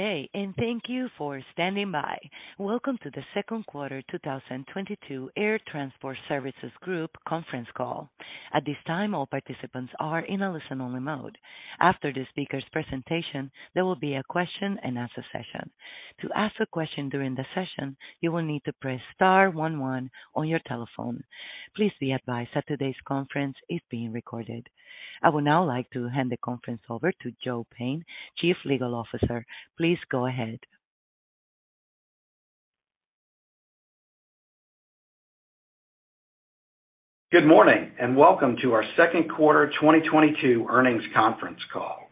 Good day, and thank you for standing by. Welcome to The Second Quarter 2022 Air Transport Services Group Conference Call. At this time, all participants are in a listen-only mode. After the speaker's presentation, there will be a question and answer session. To ask a question during the session, you will need to press star one one on your telephone. Please be advised that today's conference is being recorded. I would now like to hand the conference over to Joe Payne, Chief Legal Officer. Please go ahead. Good morning, and welcome to our Second Quarter 2022 Earnings Conference Call.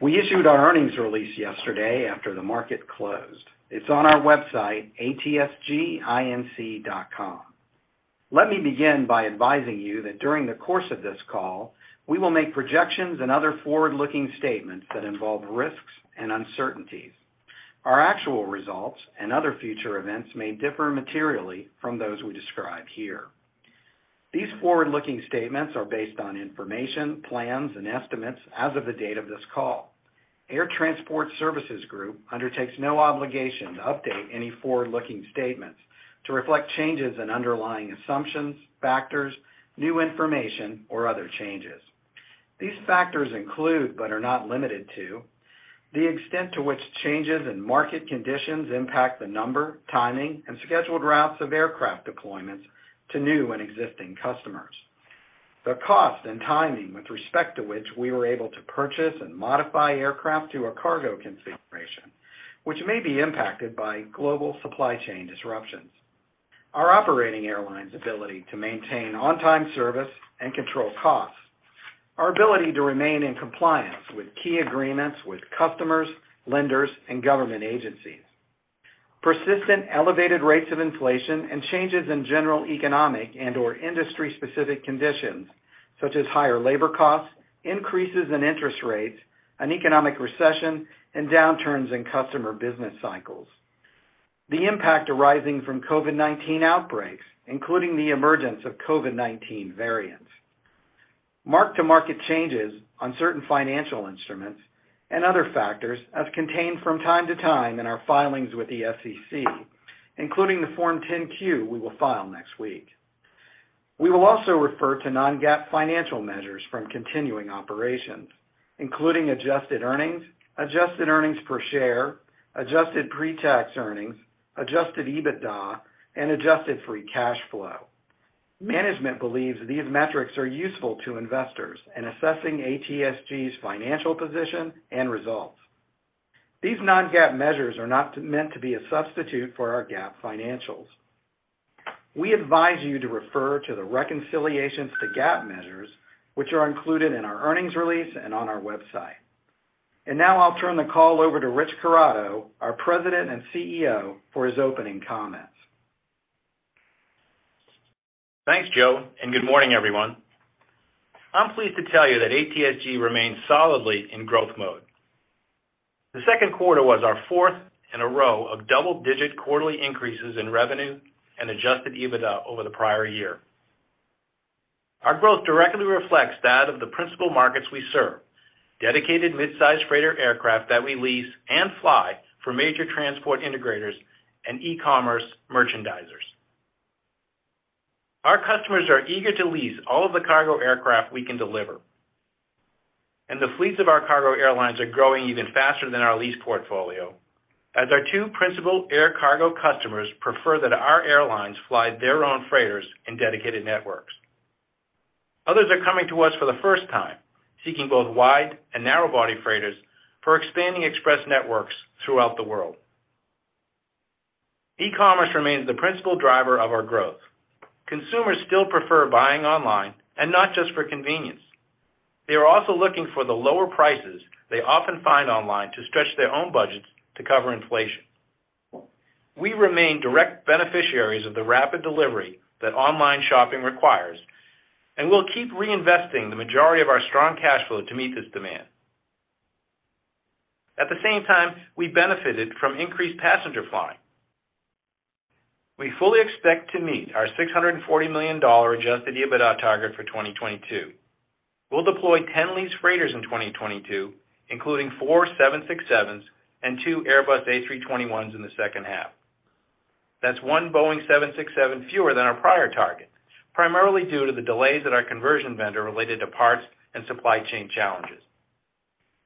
We issued our earnings release yesterday after the market closed. It's on our website, atsginc.com. Let me begin by advising you that during the course of this call, we will make projections and other forward-looking statements that involve risks and uncertainties. Our actual results and other future events may differ materially from those we describe here. These forward-looking statements are based on information, plans, and estimates as of the date of this call. Air Transport Services Group undertakes no obligation to update any forward-looking statements to reflect changes in underlying assumptions, factors, new information, or other changes. These factors include, but are not limited to, the extent to which changes in market conditions impact the number, timing, and scheduled routes of aircraft deployments to new and existing customers. The cost and timing with respect to which we were able to purchase and modify aircraft to a cargo configuration, which may be impacted by global supply chain disruptions. Our operating airline's ability to maintain on-time service and control costs. Our ability to remain in compliance with key agreements with customers, lenders, and government agencies. Persistent elevated rates of inflation and changes in general economic and/or industry-specific conditions, such as higher labor costs, increases in interest rates, an economic recession, and downturns in customer business cycles. The impact arising from COVID-19 outbreaks, including the emergence of COVID-19 variants. Mark-to-market changes on certain financial instruments and other factors as contained from time to time in our filings with the SEC, including the Form 10-Q we will file next week. We will also refer to non-GAAP financial measures from continuing operations, including adjusted earnings, adjusted earnings per share, adjusted pre-tax earnings, adjusted EBITDA, and adjusted free cash flow. Management believes these metrics are useful to investors in assessing ATSG's financial position and results. These non-GAAP measures are not meant to be a substitute for our GAAP financials. We advise you to refer to the reconciliations to GAAP measures, which are included in our earnings release and on our website. Now I'll turn the call over to Rich Corrado, our President and CEO, for his opening comments. Thanks, Joe, and good morning, everyone. I'm pleased to tell you that ATSG remains solidly in growth mode. The second quarter was our fourth in a row of double-digit quarterly increases in revenue and adjusted EBITDA over the prior year. Our growth directly reflects that of the principal markets we serve, dedicated midsize freighter aircraft that we lease and fly for major transport integrators and e-commerce merchandisers. Our customers are eager to lease all of the cargo aircraft we can deliver, and the fleets of our cargo airlines are growing even faster than our lease portfolio as our two principal air cargo customers prefer that our airlines fly their own freighters in dedicated networks. Others are coming to us for the first time, seeking both wide and narrow body freighters for expanding express networks throughout the world. E-commerce remains the principal driver of our growth. Consumers still prefer buying online and not just for convenience. They are also looking for the lower prices they often find online to stretch their own budgets to cover inflation. We remain direct beneficiaries of the rapid delivery that online shopping requires, and we'll keep reinvesting the majority of our strong cash flow to meet this demand. At the same time, we benefited from increased passenger flying. We fully expect to meet our $640 million Adjusted EBITDA target for 2022. We'll deploy 10 lease freighters in 2022, including four 767s and two Airbus A321s in the second half. That's one Boeing 767 fewer than our prior target, primarily due to the delays at our conversion vendor related to parts and supply chain challenges.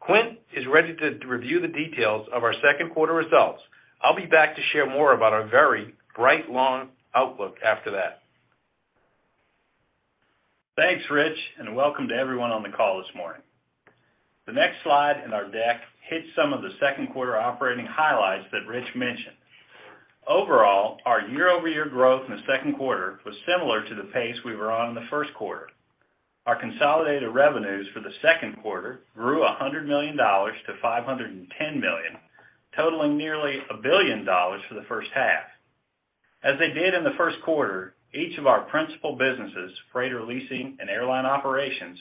Quint is ready to review the details of our second quarter results. I'll be back to share more about our very bright long outlook after that. Thanks, Rich, and welcome to everyone on the call this morning. The next slide in our deck hits some of the second quarter operating highlights that Rich mentioned. Overall, our year-over-year growth in the second quarter was similar to the pace we were on in the first quarter. Our consolidated revenues for the second quarter grew $100 million to $510 million, totaling nearly $1 billion for the first half. As they did in the first quarter, each of our principal businesses, freighter leasing and airline operations,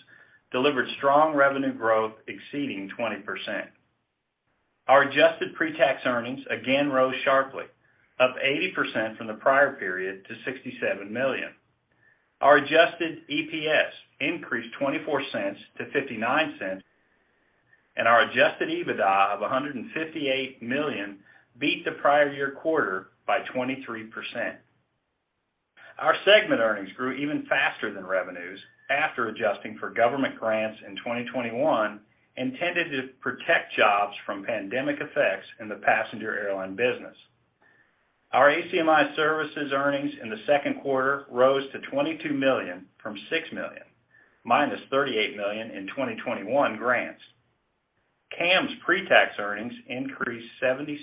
delivered strong revenue growth exceeding 20%. Our adjusted pre-tax earnings again rose sharply, up 80% from the prior period to $67 million. Our adjusted EPS increased $0.24 to $0.59, and our adjusted EBITDA of $158 million beat the prior year quarter by 23%. Our segment earnings grew even faster than revenues after adjusting for government grants in 2021 intended to protect jobs from pandemic effects in the passenger airline business. Our ACMI services earnings in the second quarter rose to $22 million from $6 million, -$38 million in 2021 grants. CAM's pretax earnings increased 76%.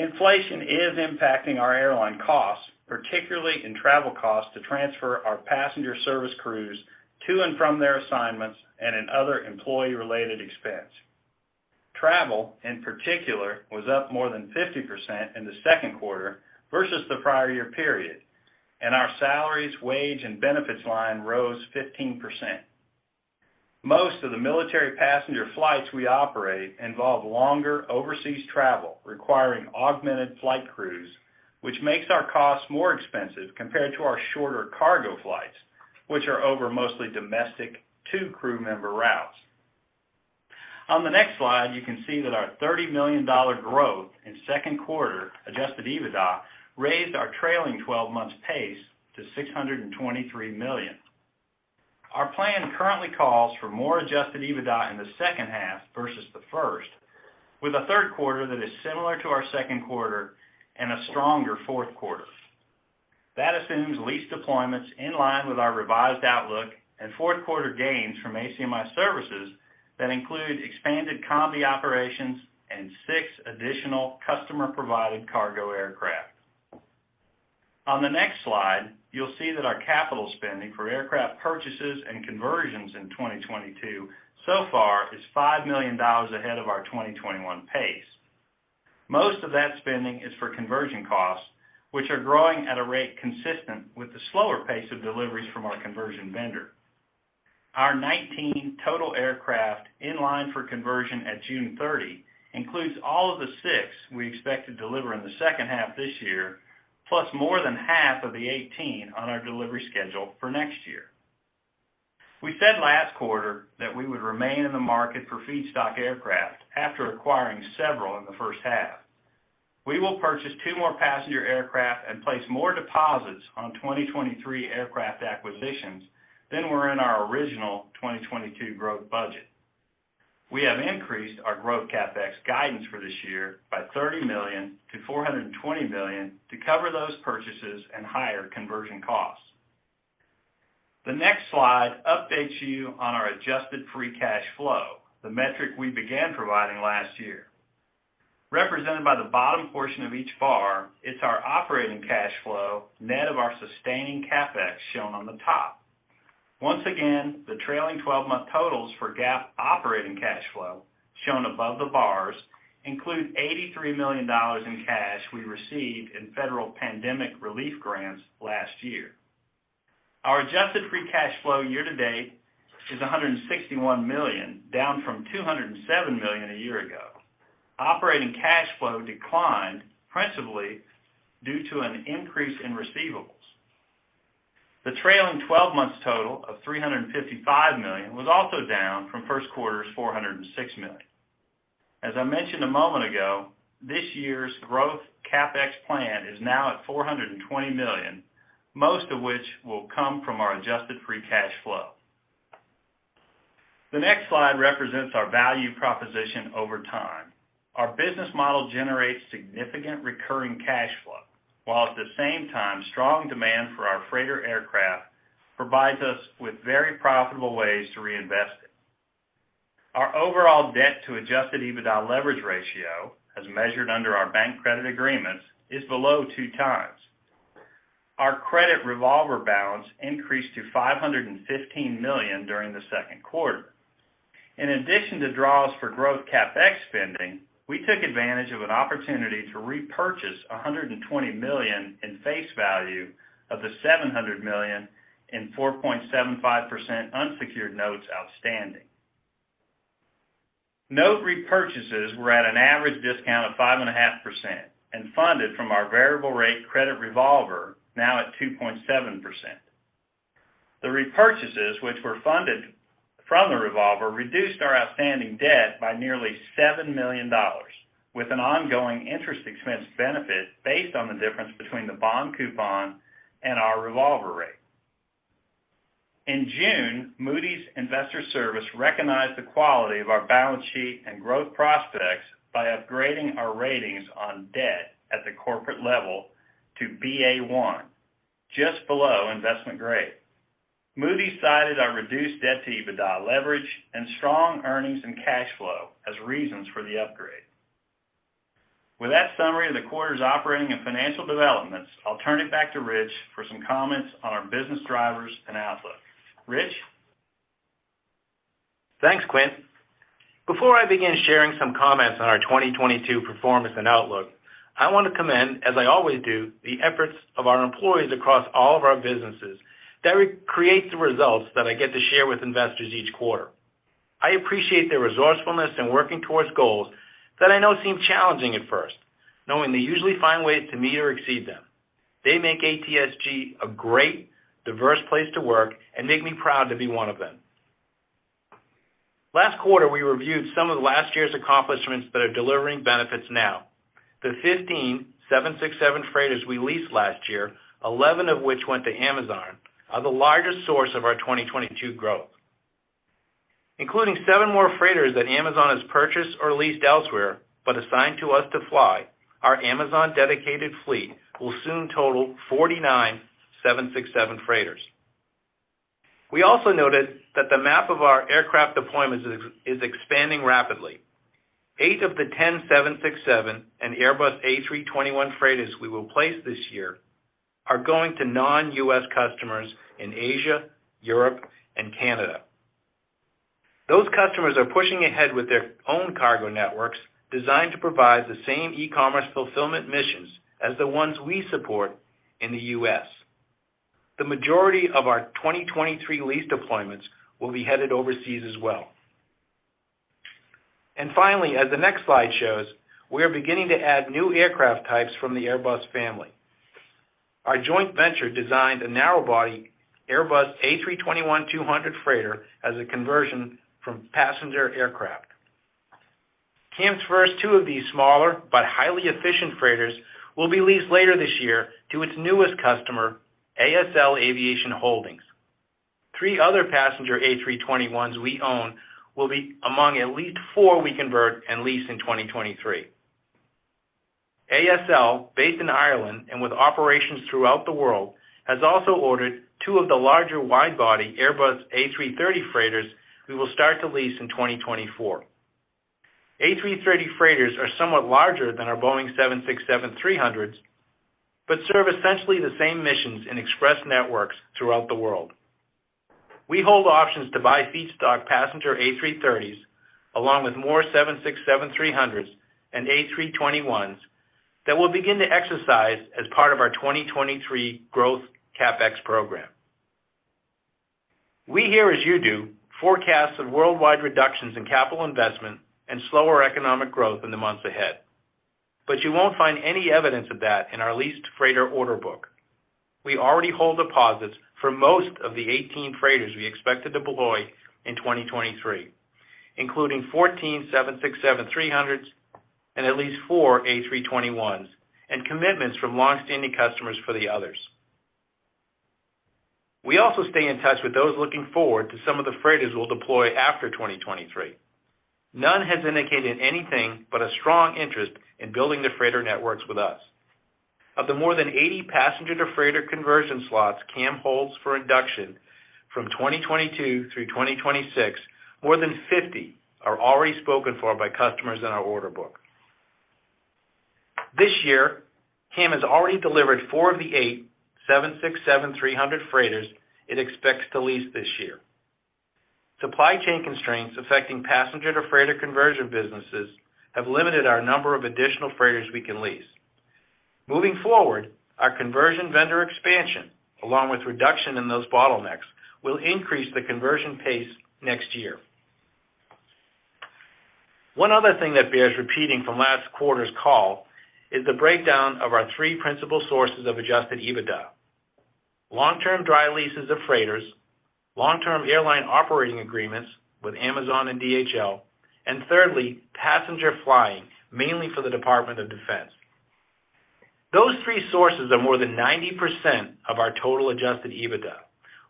Inflation is impacting our airline costs, particularly in travel costs to transfer our passenger service crews to and from their assignments and in other employee-related expense. Travel, in particular, was up more than 50% in the second quarter versus the prior year period, and our salaries, wages, and benefits line rose 15%. Most of the military passenger flights we operate involve longer overseas travel, requiring augmented flight crews, which makes our costs more expensive compared to our shorter cargo flights, which are over mostly domestic two-crew member routes. On the next slide, you can see that our $30 million growth in second quarter Adjusted EBITDA raised our trailing twelve months pace to $623 million. Our plan currently calls for more Adjusted EBITDA in the second half versus the first, with a third quarter that is similar to our second quarter and a stronger fourth quarter. That assumes lease deployments in line with our revised outlook and fourth quarter gains from ACMI services that include expanded combi operations and six additional customer-provided cargo aircraft. On the next slide, you'll see that our capital spending for aircraft purchases and conversions in 2022 so far is $5 million ahead of our 2021 pace. Most of that spending is for conversion costs, which are growing at a rate consistent with the slower pace of deliveries from our conversion vendor. Our 19 total aircraft in line for conversion at June 30 includes all of the six we expect to deliver in the second half this year, plus more than half of the 18 on our delivery schedule for next year. We said last quarter that we would remain in the market for feedstock aircraft after acquiring several in the first half. We will purchase two more passenger aircraft and place more deposits on 2023 aircraft acquisitions than were in our original 2022 growth budget. We have increased our Growth CapEx guidance for this year by $30 million-$420 million to cover those purchases and higher conversion costs. The next slide updates you on our adjusted free cash flow, the metric we began providing last year. Represented by the bottom portion of each bar, it's our operating cash flow net of our Sustaining CapEx shown on the top. Once again, the trailing twelve-month totals for GAAP operating cash flow, shown above the bars, include $83 million in cash we received in federal pandemic relief grants last year. Our adjusted free cash flow year to date is $161 million, down from $207 million a year ago. Operating cash flow declined principally due to an increase in receivables. The trailing 12 months total of $355 million was also down from first quarter's $406 million. As I mentioned a moment ago, this year's Growth CapEx plan is now at $420 million, most of which will come from our adjusted free cash flow. The next slide represents our value proposition over time. Our business model generates significant recurring cash flow, while at the same time, strong demand for our freighter aircraft provides us with very profitable ways to reinvest it. Our overall debt to adjusted EBITDA leverage ratio, as measured under our bank credit agreements, is below two times. Our credit revolver balance increased to $515 million during the second quarter. In addition to draws for Growth CapEx spending, we took advantage of an opportunity to repurchase $120 million in face value of the $700 million in 4.75% unsecured notes outstanding. Note repurchases were at an average discount of 5.5% and funded from our variable rate credit revolver, now at 2.7%. The repurchases, which were funded from the revolver, reduced our outstanding debt by nearly $7 million with an ongoing interest expense benefit based on the difference between the bond coupon and our revolver rate. In June, Moody's Investors Service recognized the quality of our balance sheet and growth prospects by upgrading our ratings on debt at the corporate level to Ba1, just below investment grade. Moody's cited our reduced debt to EBITDA leverage and strong earnings and cash flow as reasons for the upgrade. With that summary of the quarter's operating and financial developments, I'll turn it back to Rich for some comments on our business drivers and outlook. Rich? Thanks, Quint. Before I begin sharing some comments on our 2022 performance and outlook, I want to commend, as I always do, the efforts of our employees across all of our businesses that re-create the results that I get to share with investors each quarter. I appreciate their resourcefulness in working towards goals that I know seem challenging at first, knowing they usually find ways to meet or exceed them. They make ATSG a great, diverse place to work and make me proud to be one of them. Last quarter, we reviewed some of last year's accomplishments that are delivering benefits now. The 15 767 freighters we leased last year, 11 of which went to Amazon, are the largest source of our 2022 growth. Including seven more freighters that Amazon has purchased or leased elsewhere, but assigned to us to fly, our Amazon-dedicated fleet will soon total 49 767 freighters. We also noted that the map of our aircraft deployments is expanding rapidly. Eight of the 10 767 and Airbus A321 freighters we will place this year are going to non-U.S customers in Asia, Europe, and Canada. Those customers are pushing ahead with their own cargo networks designed to provide the same e-commerce fulfillment missions as the ones we support in the U.S. The majority of our 2023 lease deployments will be headed overseas as well. Finally, as the next slide shows, we are beginning to add new aircraft types from the Airbus family. Our joint venture designed a narrow-body Airbus A321-200 freighter as a conversion from passenger aircraft. CAM's first two of these smaller but highly efficient freighters will be leased later this year to its newest customer, ASL Aviation Holdings. three other passenger A321s we own will be among at least four we convert and lease in 2023. ASL, based in Ireland and with operations throughout the world, has also ordered two of the larger wide-body Airbus A330 freighters we will start to lease in 2024. A330 freighters are somewhat larger than our Boeing 767-300s, but serve essentially the same missions in express networks throughout the world. We hold options to buy feedstock passenger A330s along with more 767-300s and A321s that we'll begin to exercise as part of our 2023 Growth CapEx program. We hear, as you do, forecasts of worldwide reductions in capital investment and slower economic growth in the months ahead. You won't find any evidence of that in our leased freighter order book. We already hold deposits for most of the 18 freighters we expected to deploy in 2023, including 14 767-300s and at least four A321s, and commitments from long-standing customers for the others. We also stay in touch with those looking forward to some of the freighters we'll deploy after 2023. None has indicated anything but a strong interest in building their freighter networks with us. Of the more than 80 passenger-to-freighter Conversion Slots CAM holds for induction from 2022 through 2026, more than 50 are already spoken for by customers in our order book. This year, CAM has already delivered four of the eight 767-300 freighters it expects to lease this year. Supply chain constraints affecting passenger-to-freighter conversion businesses have limited our number of additional freighters we can lease. Moving forward, our conversion vendor expansion, along with reduction in those bottlenecks, will increase the conversion pace next year. One other thing that bears repeating from last quarter's call is the breakdown of our three principal sources of Adjusted EBITDA, long-term dry leases of freighters, long-term airline operating agreements with Amazon and DHL, and thirdly, passenger flying, mainly for the Department of Defense. Those three sources are more than 90% of our total Adjusted EBITDA.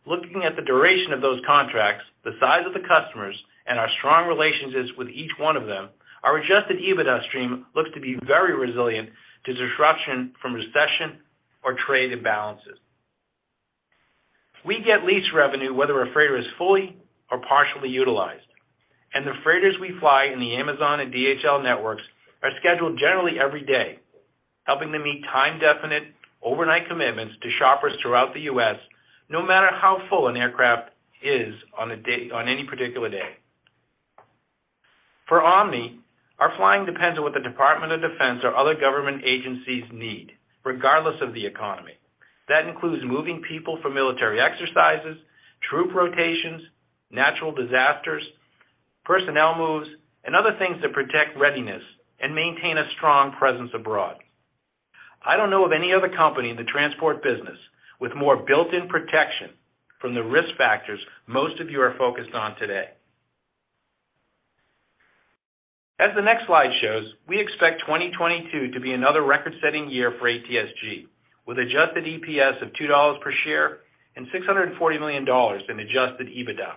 Looking at the duration of those contracts, the size of the customers, and our strong relationships with each one of them, our Adjusted EBITDA stream looks to be very resilient to disruption from recession or trade imbalances. We get lease revenue whether a freighter is fully or partially utilized, and the freighters we fly in the Amazon and DHL networks are scheduled generally every day, helping them meet time-definite overnight commitments to shoppers throughout the U.S., no matter how full an aircraft is on any particular day. For Omni, our flying depends on what the Department of Defense or other government agencies need, regardless of the economy. That includes moving people for military exercises, troop rotations, natural disasters, personnel moves, and other things that protect readiness and maintain a strong presence abroad. I don't know of any other company in the transport business with more built-in protection from the risk factors most of you are focused on today. As the next slide shows, we expect 2022 to be another record-setting year for ATSG, with adjusted EPS of $2 per share and $640 million in adjusted EBITDA.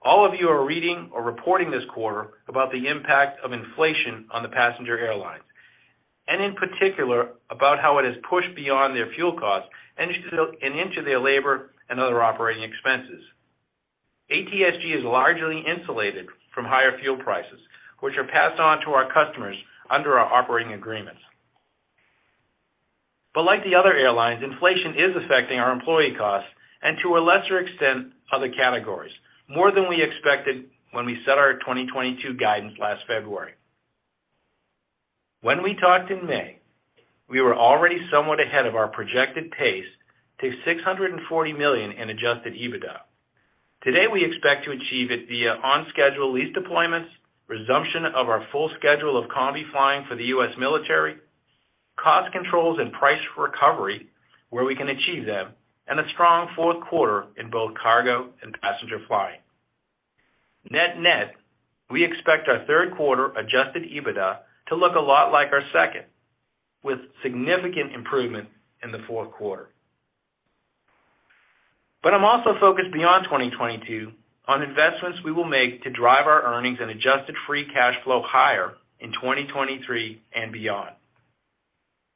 All of you are reading or reporting this quarter about the impact of inflation on the passenger airlines, and in particular about how it has pushed beyond their fuel costs and into their labor and other operating expenses. ATSG is largely insulated from higher fuel prices, which are passed on to our customers under our operating agreements. Like the other airlines, inflation is affecting our employee costs and, to a lesser extent, other categories, more than we expected when we set our 2022 guidance last February. When we talked in May, we were already somewhat ahead of our projected pace to $640 million in adjusted EBITDA. Today, we expect to achieve it via on-schedule lease deployments, resumption of our full schedule of combi flying for the U.S military, cost controls and price recovery where we can achieve them, and a strong fourth quarter in both cargo and passenger flying. Net-net, we expect our third quarter Adjusted EBITDA to look a lot like our second, with significant improvement in the fourth quarter. I'm also focused beyond 2022 on investments we will make to drive our earnings and adjusted free cash flow higher in 2023 and beyond.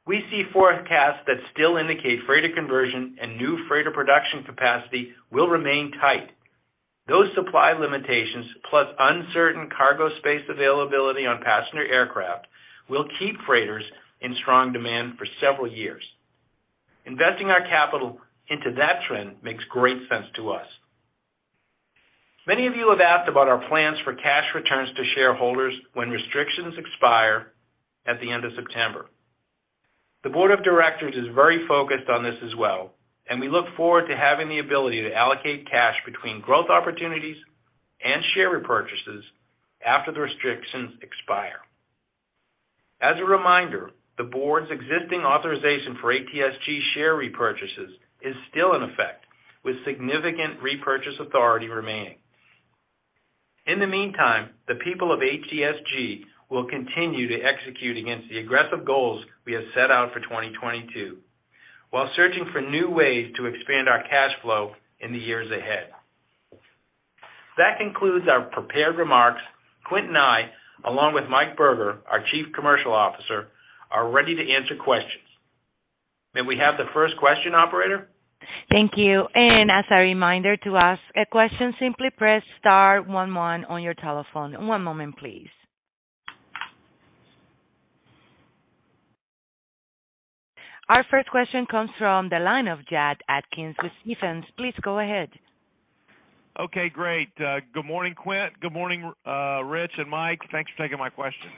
We see forecasts that still indicate freighter conversion and new freighter production capacity will remain tight. Those supply limitations, plus uncertain cargo space availability on passenger aircraft, will keep freighters in strong demand for several years. Investing our capital into that trend makes great sense to us. Many of you have asked about our plans for cash returns to shareholders when restrictions expire at the end of September. The board of directors is very focused on this as well, and we look forward to having the ability to allocate cash between growth opportunities and share repurchases after the restrictions expire. As a reminder, the board's existing authorization for ATSG share repurchases is still in effect, with significant repurchase authority remaining. In the meantime, the people of ATSG will continue to execute against the aggressive goals we have set out for 2022 while searching for new ways to expand our cash flow in the years ahead. That concludes our prepared remarks. Quint and I, along with Mike Berger, our Chief Commercial Officer, are ready to answer questions. May we have the first question, operator? Thank you. As a reminder to ask a question, simply press star one one on your telephone. One moment, please. Our first question comes from the line of Jack Atkins with Stephens. Please go ahead. Okay, great. Good morning, Quint. Good morning, Rich and Mike. Thanks for taking my question.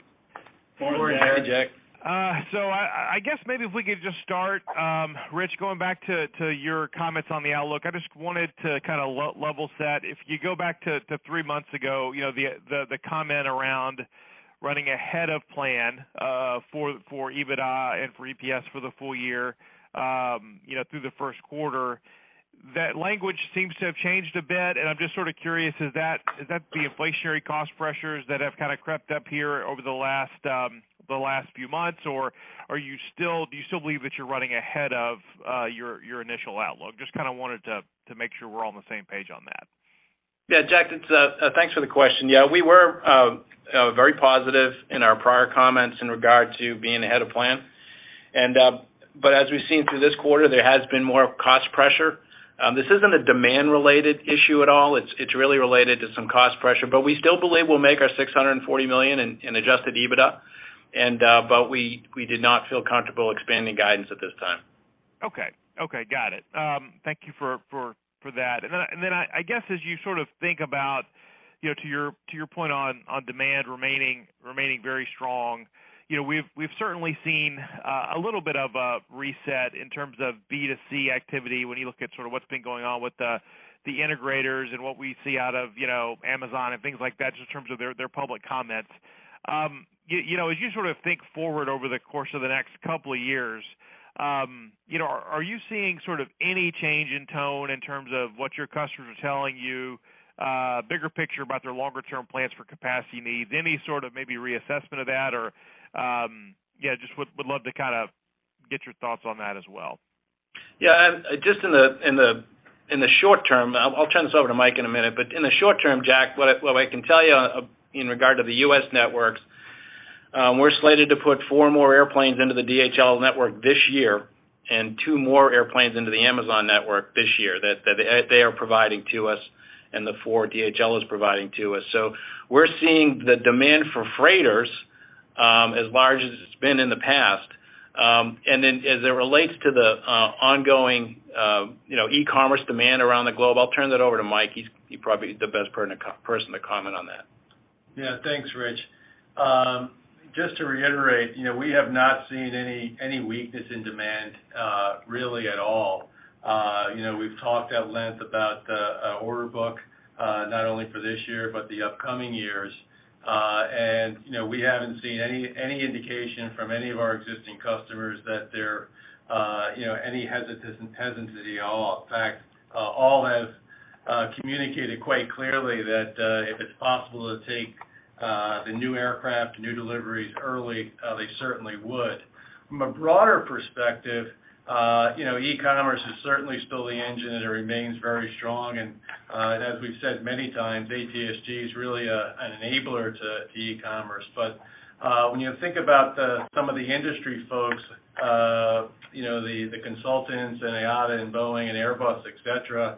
Good morning, Jack. I guess maybe if we could just start Rich, going back to your comments on the outlook, I just wanted to kind of level set. If you go back to three months ago, you know, the comment around running ahead of plan for EBITDA and for EPS for the full year, you know, through the first quarter, that language seems to have changed a bit, and I'm just sort of curious, is that the inflationary cost pressures that have kind of crept up here over the last few months? Or do you still believe that you're running ahead of your initial outlook? Just kind of wanted to make sure we're all on the same page on that. Yeah, Jack. Thanks for the question. Yeah, we were very positive in our prior comments in regard to being ahead of plan. As we've seen through this quarter, there has been more cost pressure. This isn't a demand-related issue at all. It's really related to some cost pressure. We still believe we'll make our $640 million in Adjusted EBITDA. We did not feel comfortable expanding guidance at this time. Okay. Got it. Thank you for that. I guess as you sort of think about, you know, to your point on demand remaining very strong, you know, we've certainly seen a little bit of a reset in terms of B2C activity when you look at sort of what's been going on with the integrators and what we see out of, you know, Amazon and things like that just in terms of their public comments. You know, as you sort of think forward over the course of the next couple of years, you know, are you seeing sort of any change in tone in terms of what your customers are telling you, bigger picture about their longer term plans for capacity needs? Any sort of maybe reassessment of that or, yeah, just would love to kind of get your thoughts on that as well. Yeah. Just in the short term, I'll turn this over to Mike in a minute. In the short term, Jack, what I can tell you in regard to the U.S. networks, we're slated to put four more airplanes into the DHL network this year and two more airplanes into the Amazon network this year that they are providing to us and the four DHL is providing to us. We're seeing the demand for freighters as large as it's been in the past. As it relates to the ongoing, you know, e-commerce demand around the globe, I'll turn that over to Mike. He's probably the best person to comment on that. Yeah. Thanks Rich. Just to reiterate, you know, we have not seen any weakness in demand, really at all. You know, we've talked at length about the order book, not only for this year, but the upcoming years. You know, we haven't seen any indication from any of our existing customers that they're, you know, any hesitancy at all. In fact, all have communicated quite clearly that, if it's possible to take the new aircraft, new deliveries early, they certainly would. From a broader perspective, you know, e-commerce is certainly still the engine and it remains very strong. As we've said many times, ATSG is really an enabler to e-commerce. When you think about some of the industry folks, you know, the consultants and IATA and Boeing and Airbus, et cetera,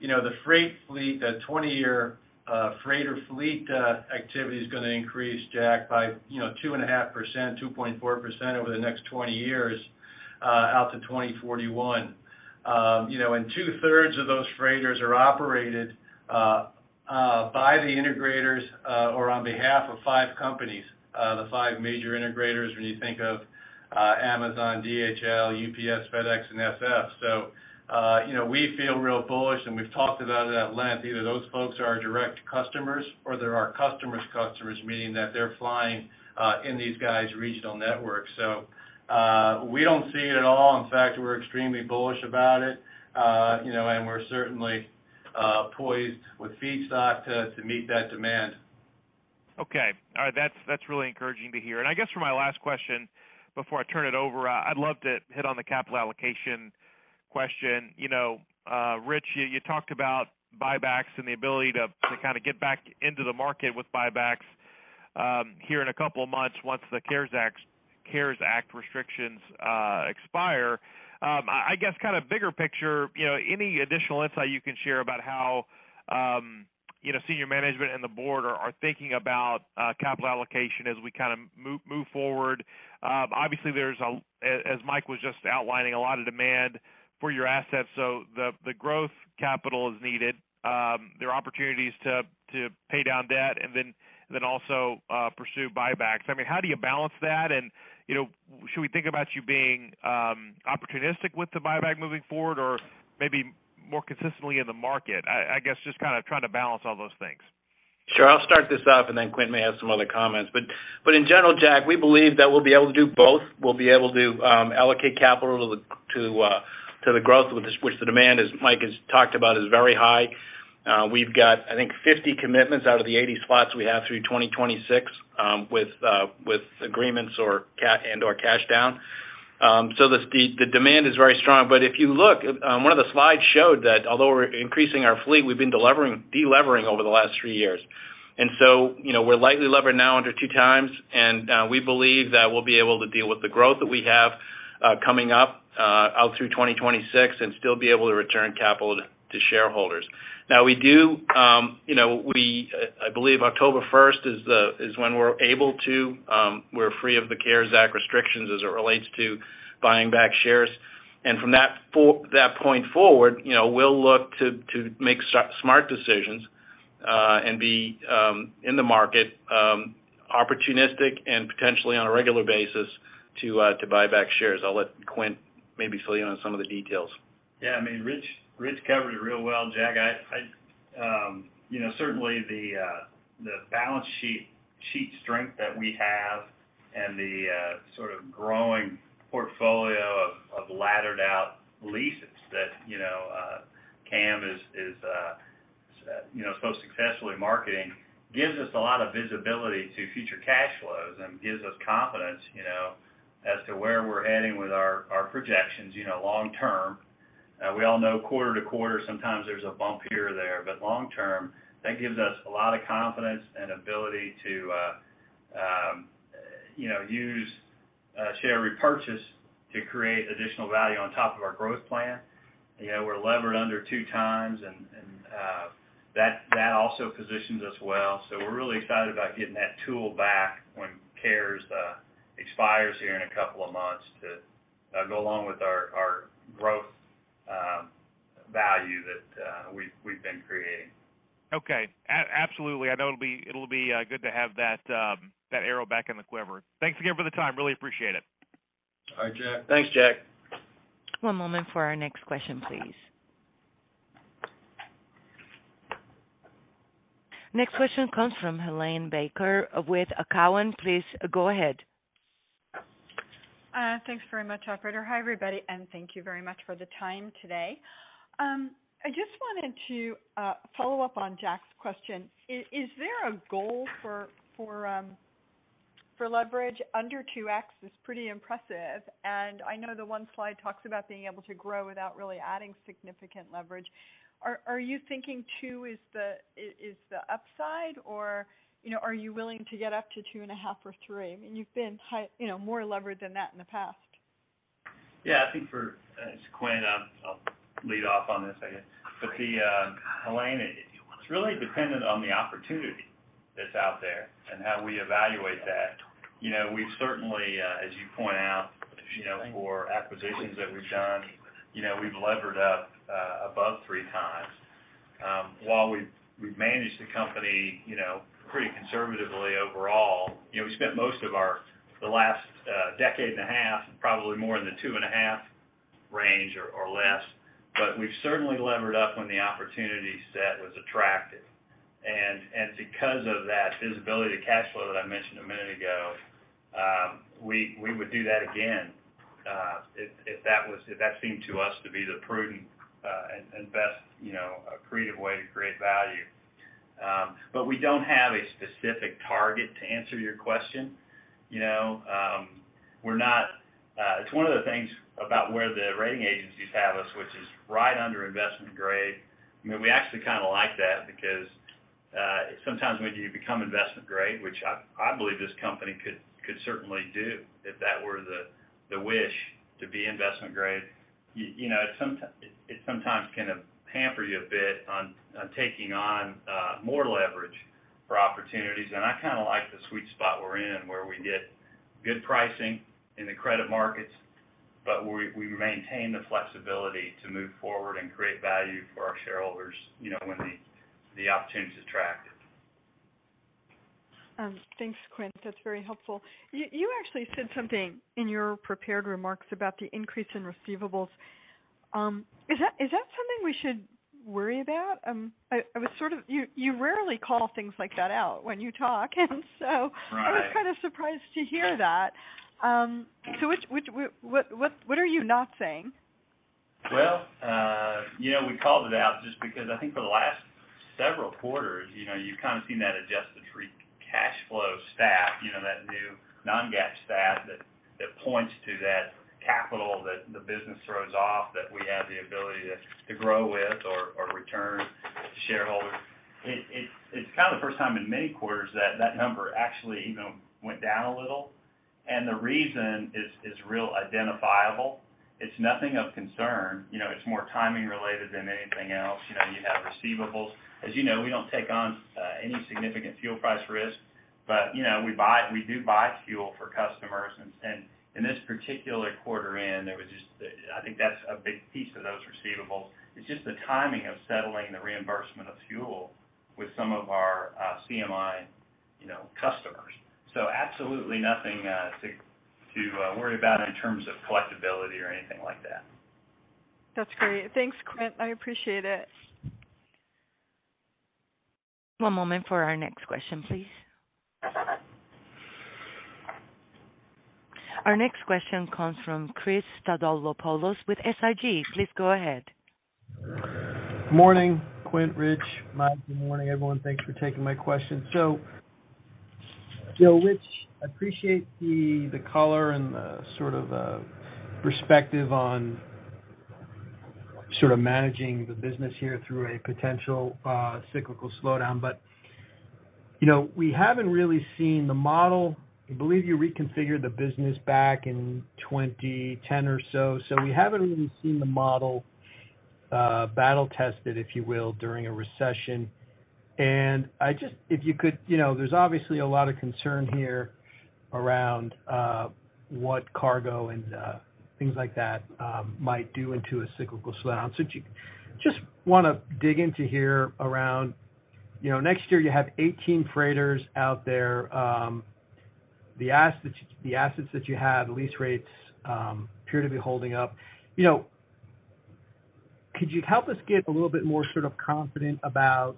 you know, the freight fleet, the 20-year freighter fleet activity is gonna increase, Jack by you know, 2.5%-2.4% over the next 20 years out to 2041. You know, 2/3 of those freighters are operated by the integrators or on behalf of five companies, the five major integrators when you think of Amazon, DHL, UPS, FedEx, and SF. You know, we feel real bullish, and we've talked about it at length. Either those folks are our direct customers or they're our customers' customers, meaning that they're flying in these guys' regional networks. We don't see it at all. In fact, we're extremely bullish about it, you know, and we're certainly poised with feedstock to meet that demand. Okay. All right. That's really encouraging to hear. I guess for my last question before I turn it over, I'd love to hit on the capital allocation question. You know, Rich, you talked about buybacks and the ability to kind of get back into the market with buybacks here in a couple of months once the CARES Act restrictions expire. I guess kind of bigger picture, you know, any additional insight you can share about how you know, senior management and the board are thinking about capital allocation as we kind of move forward? Obviously, there's, as Mike was just outlining, a lot of demand for your assets, so the Growth capital is needed. There are opportunities to pay down debt and then also pursue buybacks. I mean, how do you balance that? You know, should we think about you being opportunistic with the buyback moving forward or maybe more consistently in the market? I guess just kind of trying to balance all those things. Sure. I'll start this off, and then Quint may have some other comments. In general, Jack, we believe that we'll be able to do both. We'll be able to allocate capital to the growth, which the demand is, Mike has talked about, is very high. We've got, I think, 50 commitments out of the 80 spots we have through 2026, with agreements or LOI and/or cash down. The demand is very strong. If you look, one of the slides showed that although we're increasing our fleet, we've been delevering over the last three years. You know, we're lightly levered now under 2x, and we believe that we'll be able to deal with the growth that we have coming up out through 2026 and still be able to return capital to shareholders. Now, we do, you know, I believe October first is when we're free of the CARES Act restrictions as it relates to buying back shares. From that point forward, you know, we'll look to make smart decisions and be in the market, opportunistic and potentially on a regular basis to buy back shares. I'll let Quint maybe fill you in on some of the details. Yeah, I mean, Rich covered it real well, Jack. I know certainly the balance sheet strength that we have and the sort of growing portfolio of laddered out leases that you know CAM is so successfully marketing gives us a lot of visibility to future cash flows and gives us confidence as to where we're heading with our projections long term. We all know quarter to quarter, sometimes there's a bump here or there, but long term, that gives us a lot of confidence and ability to use share repurchase to create additional value on top of our growth plan. You know, we're levered under 2x, and that also positions us well. We're really excited about getting that tool back when the CARES Act expires here in a couple of months to go along with our growth value that we've been creating. Okay. Absolutely. I know it'll be good to have that arrow back in the quiver. Thanks again for the time. Really appreciate it. All right, Jack. Thanks, Jack. One moment for our next question, please. Next question comes from Helane Becker with Cowen. Please go ahead. Thanks very much, operator. Hi, everybody, and thank you very much for the time today. I just wanted to follow up on Jack's question. Is there a goal for leverage? Under 2x is pretty impressive, and I know the one slide talks about being able to grow without really adding significant leverage. Are you thinking 2x is the upside, or, you know, are you willing to get up to 2.5x or 3x? I mean, you've been higher, you know, more levered than that in the past. Yeah, I think it's Quint, I'll lead off on this, I guess. Helane, it's really dependent on the opportunity that's out there and how we evaluate that. You know, we certainly, as you point out, you know, for acquisitions that we've done, you know, we've levered up above 3x. While we've managed the company, you know, pretty conservatively overall, you know, we've spent most of the last decade and a half, probably more in the 2.5x range or less. We've certainly levered up when the opportunity set was attractive. Because of that visibility to cash flow that I mentioned a minute ago, we would do that again, if that seemed to us to be the prudent and best, you know, creative way to create value. But we don't have a specific target, to answer your question. You know, we're not. It's one of the things about where the rating agencies have us, which is right under investment grade. I mean, we actually kind of like that because sometimes when you become investment grade, which I believe this company could certainly do if that were the wish to be investment grade, you know, it sometimes can hamper you a bit on taking on more leverage for opportunities. I kind of like the sweet spot we're in, where we get. Good pricing in the credit markets, but we maintain the flexibility to move forward and create value for our shareholders, you know, when the opportunities attract. Thanks, Quint. That's very helpful. You actually said something in your prepared remarks about the increase in receivables. Is that something we should worry about? You rarely call things like that out when you talk. Right. I was kind of surprised to hear that. What are you not saying? Well, you know, we called it out just because I think for the last several quarters, you know, you've kind of seen that adjusted free cash flow stat, you know, that new non-GAAP stat that points to that capital that the business throws off, that we have the ability to grow with or return to shareholders. It's kind of the first time in many quarters that that number actually went down a little. The reason is real identifiable. It's nothing of concern. You know, it's more timing related than anything else. You know, you have receivables. As you know, we don't take on any significant fuel price risk, but you know, we buy fuel for customers. In this particular quarter end, there was just, I think that's a big piece of those receivables. It's just the timing of settling the reimbursement of fuel with some of our CMI, you know, customers. Absolutely nothing to worry about in terms of collectibility or anything like that. That's great. Thanks, Quint. I appreciate it. One moment for our next question, please. Our next question comes from Chris Stathoulopoulos with SIG. Please go ahead. Morning, Quint, Rich, Mike. Good morning, everyone. Thanks for taking my question. Rich, I appreciate the color and the sort of perspective on sort of managing the business here through a potential cyclical slowdown. You know, we haven't really seen the model. I believe you reconfigured the business back in 2010 or so. We haven't really seen the model battle tested, if you will, during a recession. I just—if you could, you know, there's obviously a lot of concern here around what cargo and things like that might do into a cyclical slowdown. If you just wanna dig into here around, you know, next year you have 18 freighters out there. The assets that you have, lease rates, appear to be holding up. You know, could you help us get a little bit more sort of confident about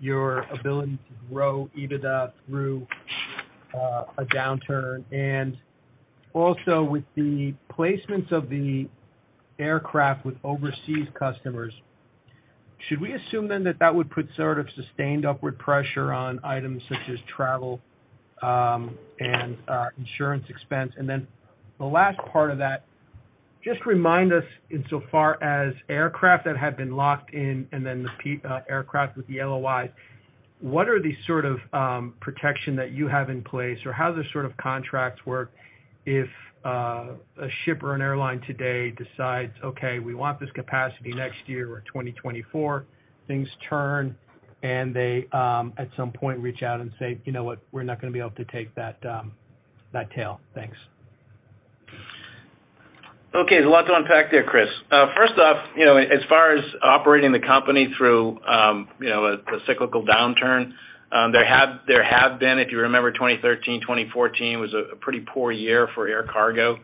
your ability to grow EBITDA through a downturn? Also with the placements of the aircraft with overseas customers, should we assume then that that would put sort of sustained upward pressure on items such as travel and insurance expense? The last part of that, just remind us insofar as aircraft that had been locked in and then the aircraft with the LOI, what are the sort of protection that you have in place, or how do sort of contracts work if a shipper or an airline today decides, "Okay, we want this capacity next year or 2024," things turn and they at some point reach out and say, "You know what? We're not gonna be able to take that deal." Thanks. Okay. There's a lot to unpack there, Chris. First off, you know, as far as operating the company through a cyclical downturn, there have been, if you remember, 2013, 2014 was a pretty poor year for air cargo.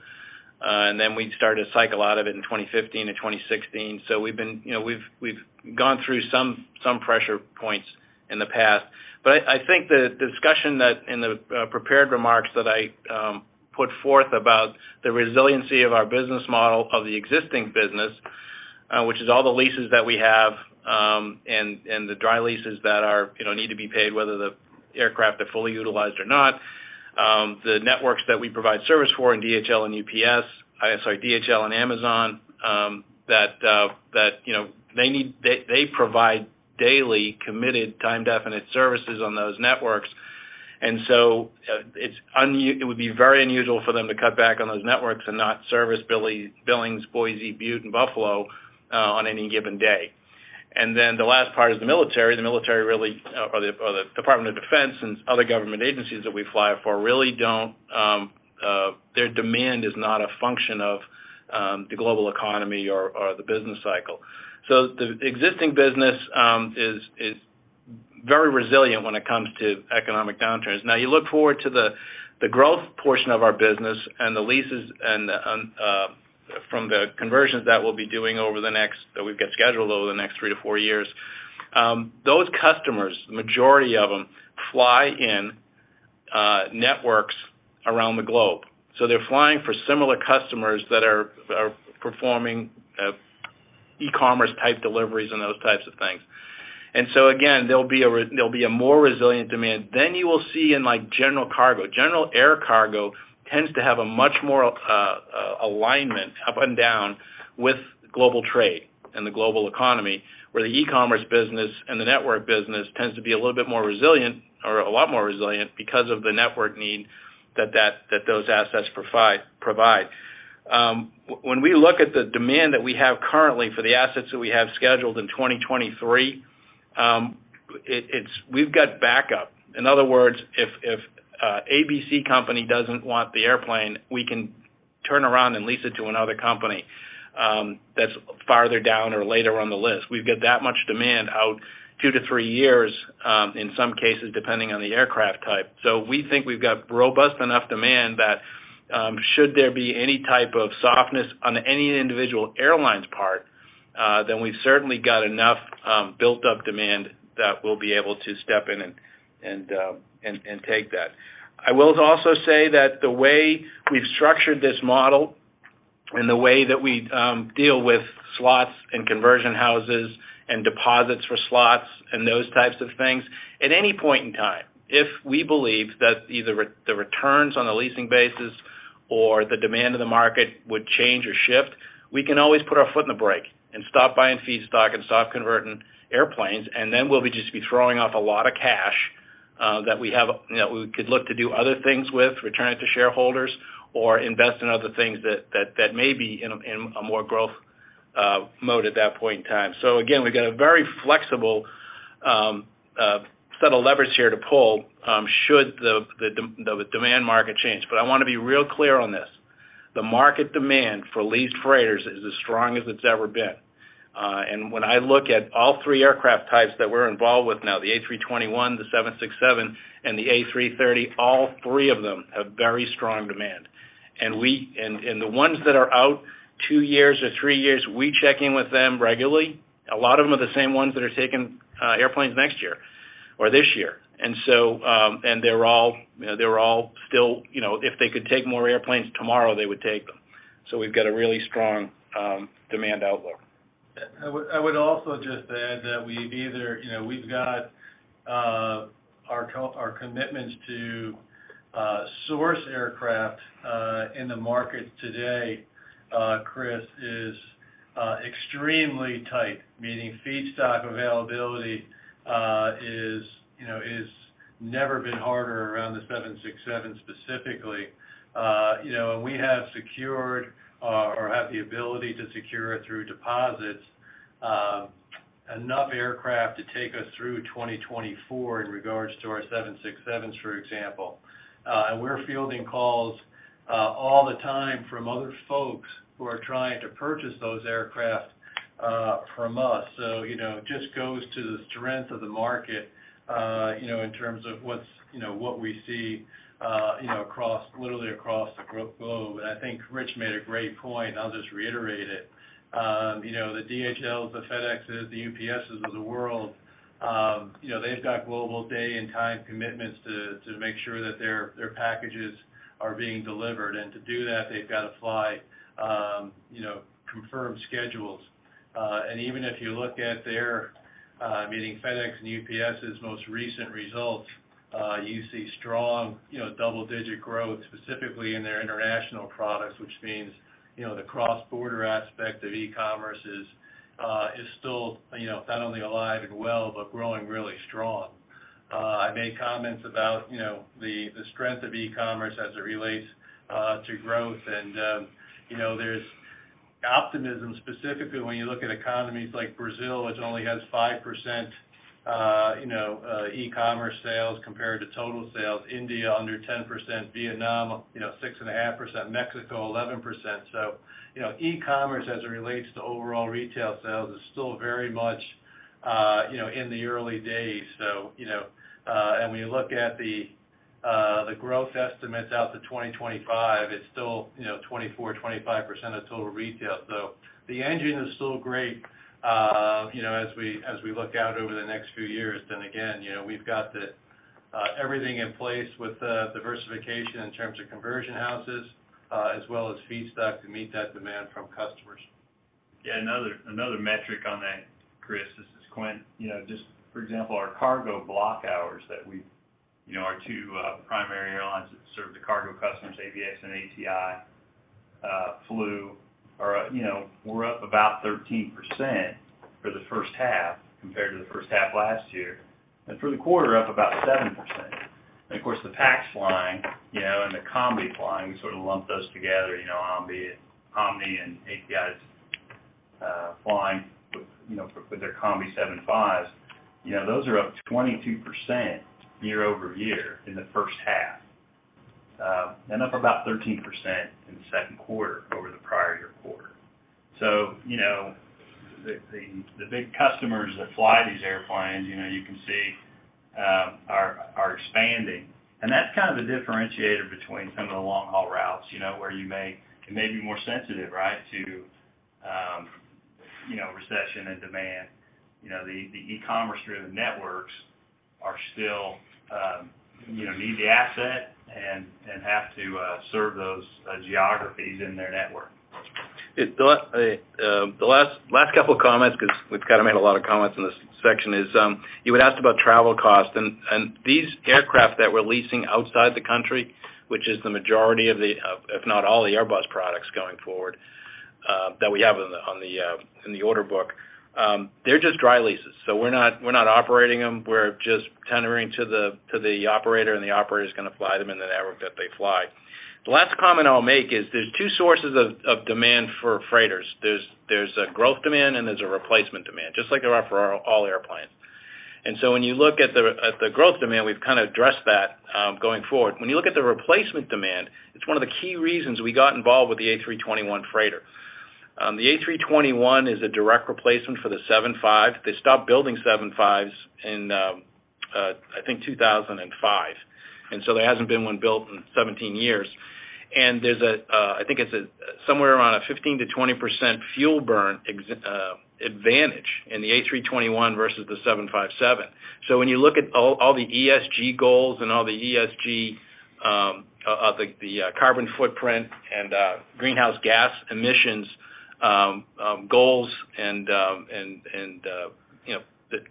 We started to cycle out of it in 2015 to 2016. We've been, you know, we've gone through some pressure points in the past. I think the discussion in the prepared remarks that I put forth about the resiliency of our business model of the existing business, which is all the leases that we have, and the dry leases that, you know, need to be paid, whether the aircraft are fully utilized or not, the networks that we provide service for in DHL and Amazon, that, you know, they provide daily committed time definite services on those networks. It would be very unusual for them to cut back on those networks and not service Billings, Boise, Butte, and Buffalo on any given day. Then the last part is the military. The military really, or the Department of Defense and other government agencies that we fly for really don't. Their demand is not a function of the global economy or the business cycle. The existing business is very resilient when it comes to economic downturns. Now, you look forward to the growth portion of our business and the leases and from the conversions that we've got scheduled over the next three to four years, those customers, the majority of them, fly in networks around the globe. They're flying for similar customers that are performing e-commerce type deliveries and those types of things. Again, there'll be a more resilient demand than you will see in like general cargo. General air cargo tends to have a much more alignment up and down with global trade and the global economy, where the e-commerce business and the network business tends to be a little bit more resilient or a lot more resilient because of the network need that those assets provide. When we look at the demand that we have currently for the assets that we have scheduled in 2023, it's. We've got backup. In other words, if ABC company doesn't want the airplane, we can turn around and lease it to another company that's farther down or later on the list. We've got that much demand out two-three years, in some cases, depending on the aircraft type. We think we've got robust enough demand that, should there be any type of softness on any individual airline's part, then we've certainly got enough built up demand that we'll be able to step in and take that. I will also say that the way we've structured this model and the way that we deal with slots and conversion houses and deposits for slots and those types of things, at any point in time, if we believe that either the returns on the leasing basis or the demand of the market would change or shift, we can always put our foot on the brake and stop buying feedstock and stop converting airplanes, and then we'll just be throwing off a lot of cash that we have, you know, we could look to do other things with, return it to shareholders, or invest in other things that may be in a more growth mode at that point in time. Again, we've got a very flexible set of levers here to pull, should the demand market change. I wanna be real clear on this. The market demand for leased freighters is as strong as it's ever been. When I look at all three aircraft types that we're involved with now, the A321, the 767, and the A330, all three of them have very strong demand. The ones that are out two years or three years, we check in with them regularly. A lot of them are the same ones that are taking airplanes next year or this year. They're all, you know, they're all still, you know, if they could take more airplanes tomorrow, they would take them. We've got a really strong demand outlook. I would also just add that we've got our commitments to source aircraft in the market today, Chris, is extremely tight, meaning feedstock availability is never been harder around the 767 specifically. You know, we have secured or have the ability to secure through deposits enough aircraft to take us through 2024 in regards to our 767s, for example. We're fielding calls all the time from other folks who are trying to purchase those aircraft from us. You know, it just goes to the strength of the market, you know, in terms of what we see, you know, literally across the globe. I think Rich made a great point, and I'll just reiterate it. You know, the DHLs, the FedExes, the UPSs of the world, you know, they've got global day and time commitments to make sure that their packages are being delivered. To do that, they've got to fly, you know, confirmed schedules. Even if you look at their, I mean, FedEx and UPS's most recent results, you see strong, you know, double-digit growth, specifically in their international products, which means, you know, the cross-border aspect of e-commerce is still, you know, not only alive and well, but growing really strong. I made comments about, you know, the strength of e-commerce as it relates to growth. You know, there's optimism, specifically when you look at economies like Brazil, which only has 5%, you know, e-commerce sales compared to total sales. India, under 10%. Vietnam, you know, 6.5%. Mexico, 11%. You know, e-commerce as it relates to overall retail sales is still very much, you know, in the early days. You know, and when you look at the the growth estimates out to 2025, it's still, you know, 24%-25% of total retail. The engine is still great, you know, as we, as we look out over the next few years. Again, you know, we've got the everything in place with diversification in terms of conversion houses, as well as feedstock to meet that demand from customers. Yeah. Another metric on that, Chris, this is Quint. You know, just for example, our cargo block hours that we've, you know, our two primary airlines that serve the cargo customers, ABX and ATI, you know, we're up about 13% for the first half compared to the first half last year. For the quarter, up about 7%. Of course, the PAX flying, you know, and the combi flying, we sort of lump those together, you know, Omni and ATI's flying with, you know, with their combi 757s. You know, those are up 22% year-over-year in the first half, and up about 13% in the second quarter over the prior year quarter. You know, the big customers that fly these airplanes, you know, you can see are expanding. That's kind of the differentiator between some of the long-haul routes, you know, where it may be more sensitive, right, to, you know, recession and demand. You know, the e-commerce driven networks are still, you know, need the asset and have to serve those geographies in their network. The last couple of comments, because we've kind of made a lot of comments in this section, is you had asked about travel costs. These aircraft that we're leasing outside the country, which is the majority of the, if not all the Airbus products going forward, that we have on the order book, they're just dry leases. We're not operating them. We're just tendering to the operator, and the operator's gonna fly them in the network that they fly. The last comment I'll make is there's two sources of demand for freighters. There's a growth demand and there's a replacement demand, just like there are for all airplanes. When you look at the growth demand, we've kind of addressed that going forward. When you look at the replacement demand, it's one of the key reasons we got involved with the A321 freighter. The A321 is a direct replacement for the 757. They stopped building 757s in 2005. There hasn't been one built in 17 years. There's I think it's somewhere around a 15%-20% fuel burn advantage in the A321 versus the 757. When you look at all the ESG goals and all the ESG of the carbon footprint and greenhouse gas emissions goals, and you know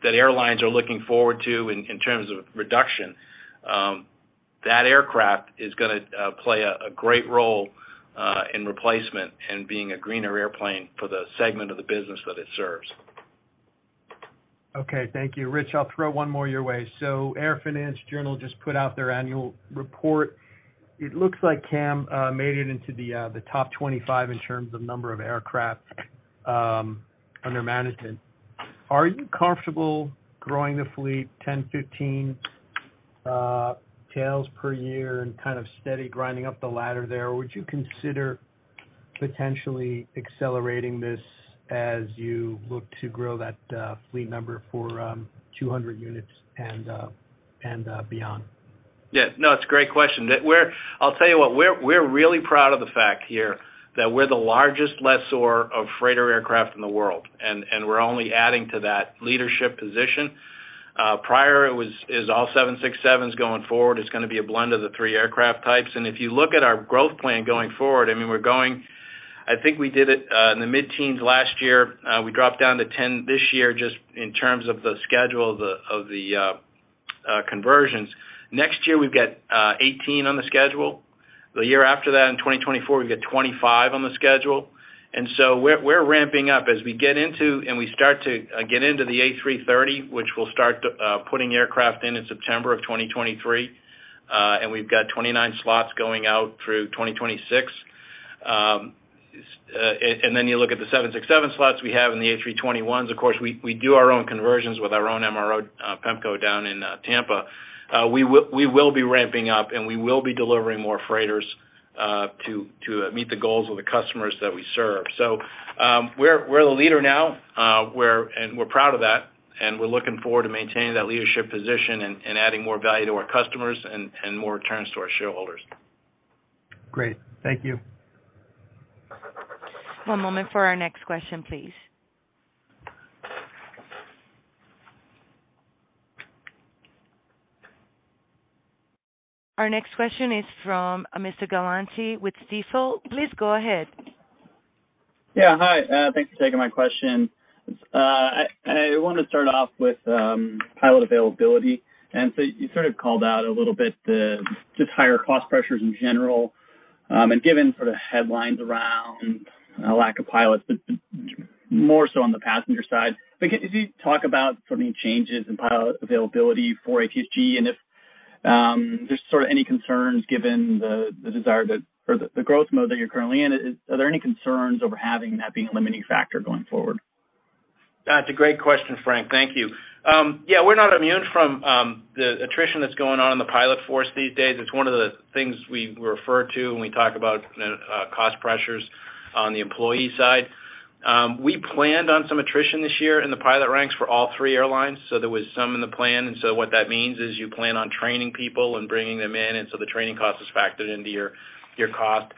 that airlines are looking forward to in terms of reduction, that aircraft is gonna play a great role in replacement and being a greener airplane for the segment of the business that it serves. Okay, thank you. Rich, I'll throw one more your way. Airfinance Journal just put out their annual report. It looks like CAM made it into the top 25 in terms of number of aircraft under management. Are you comfortable growing the fleet 10, 15 tails per year and kind of steady grinding up the ladder there? Or would you consider potentially accelerating this as you look to grow that fleet number for 200 units and beyond? Yeah. No, it's a great question. I'll tell you what, we're really proud of the fact here that we're the largest lessor of freighter aircraft in the world, and we're only adding to that leadership position. Prior, it was all 767s going forward, it's gonna be a blend of the three aircraft types. If you look at our growth plan going forward, I think we did it in the mid-teens last year. We dropped down to 10 this year just in terms of the schedule of the conversions. Next year, we've got 18 on the schedule. The year after that, in 2024, we've got 25 on the schedule. We're ramping up. As we start to get into the A330, which we'll start putting aircraft in in September of 2023, and we've got 29 slots going out through 2026. Then you look at the 767 slots we have and the A321s. Of course, we do our own conversions with our own MRO, PEMCO down in Tampa. We will be ramping up, and we will be delivering more freighters to meet the goals of the customers that we serve. We're the leader now, and we're proud of that, and we're looking forward to maintaining that leadership position and adding more value to our customers and more returns to our shareholders. Great. Thank you. One moment for our next question, please. Our next question is from Mr. Galanti with Stifel. Please go ahead. Yeah, hi. Thanks for taking my question. I wanna start off with pilot availability. You sort of called out a little bit the just higher cost pressures in general, and given sort of headlines around a lack of pilots, but more so on the passenger side. If you talk about sort of any changes in pilot availability for ATSG and if there's sort of any concerns given the desire or the growth mode that you're currently in, are there any concerns over having that being a limiting factor going forward? That's a great question, Frank. Thank you. Yeah, we're not immune from the attrition that's going on in the pilot force these days. It's one of the things we refer to when we talk about cost pressures on the employee side. We planned on some attrition this year in the pilot ranks for all three airlines, so there was some in the plan. What that means is you plan on training people and bringing them in, so the training cost is factored into your cost.